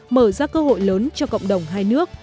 mở ra cơ hội lớn cho cộng đồng hai nước